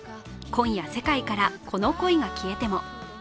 「今夜、世界からこの恋が消えても」。